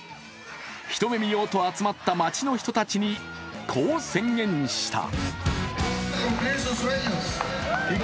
一目見ようと集まった町の人たちに、こう宣言した。